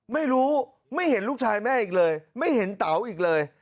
ไม่รู้ไม่เห็นลูกชายแม่อีกเลยไม่เห็นเต๋าอีกเลย